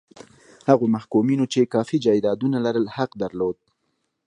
هغو محکومینو چې کافي جایدادونه لرل حق درلود.